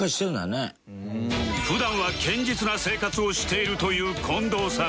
普段は堅実な生活をしているという近藤さん